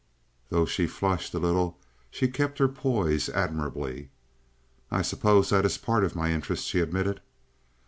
Though she flushed a little she kept her poise admirably. "I suppose that is part of my interest," she admitted.